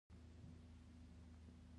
د نارو په اړه کتاب او مواد نه لرم.